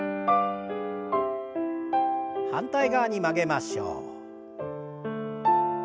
反対側に曲げましょう。